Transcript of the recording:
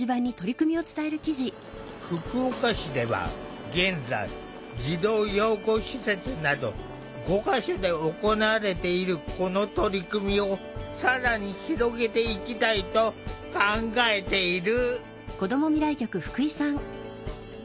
福岡市では現在児童養護施設など５か所で行われているこの取り組みを更に広げていきたいと考えている。